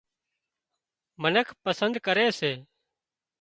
منک پسند ڪري سي